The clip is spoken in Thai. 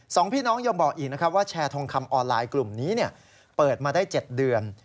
สองพี่น้องยังบอกอีกนะครับว่าแชร์ทองคำออนไลน์กลุ่มนี้เปิดมาได้๗เดือน